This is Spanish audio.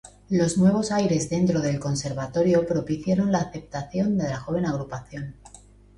Los nuevos aires dentro del conservatorio propiciaron la aceptación de la joven agrupación.